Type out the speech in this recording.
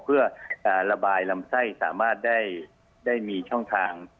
เพื่อระบายลำไส้สามารถได้มีช่องทาง